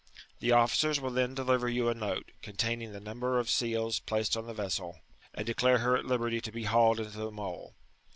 The officers will then deliver you a note, containing the numtor of seals placed on the vessel, and declare her at liberty to be hauled into the Mole.